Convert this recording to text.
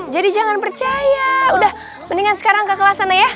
jadi jangan percaya udah mendingan sekarang ke kelas sana ya